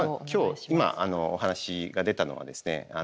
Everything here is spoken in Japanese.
今お話が出たのはですね